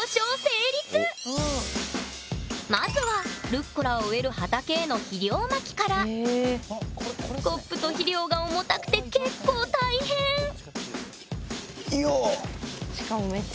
まずはルッコラを植える畑へのスコップと肥料が重たくて結構大変よおっ。